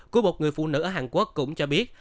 của một người phụ nữ ở hàn quốc cũng cho biết